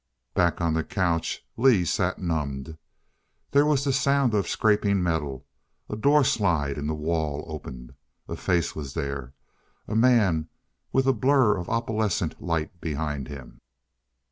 Back on the couch Lee sat numbed. There was the sound of scraping metal; a doorslide in the wall opened. A face was there a man with a blur of opalescent light behind him.